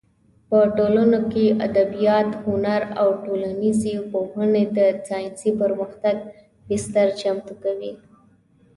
په ټولنو کې ادبیات، هنر او ټولنیزې پوهنې د ساینسي پرمختګ بستر چمتو کوي.